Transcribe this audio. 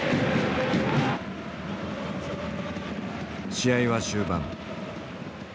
試合は終盤。